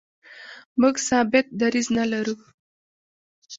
موږ ثابت دریځ نه لرو.